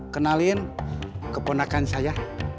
kenalin keponakan saya